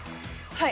はい。